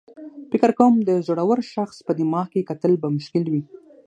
فکر کوم د یو زړور شخص په دماغ کې کتل به مشکل وي.